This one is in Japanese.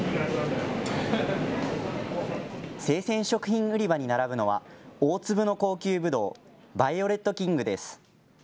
生鮮食品売り場に並ぶのは、大粒の高級ぶどう、バイオレットキングです。